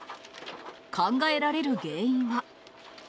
考えられる原因は。